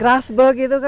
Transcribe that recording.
grass bug itu kan